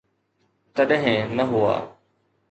تڏهن نه هئا.